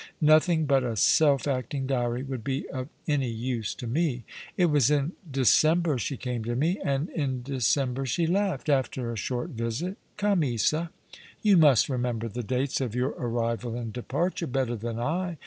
Nothing but a self acting diary would be of any use to me. It was in December she came to me — and in December she left — after a short visit. Come, Isa. You must remember the dates of your arrival and departure, better than I.